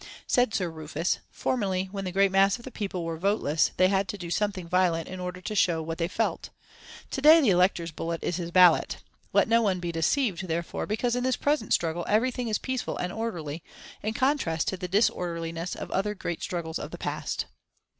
Said Sir Rufus: "Formerly when the great mass of the people were voteless they had to do something violent in order to show what they felt; to day the elector's bullet is his ballot. Let no one be deceived, therefore, because in this present struggle everything is peaceful and orderly, in contrast to the disorderliness of other great struggles of the past."